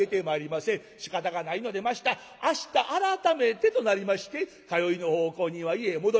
しかたがないので明日明日改めてとなりまして通いの奉公人は家へ戻ります。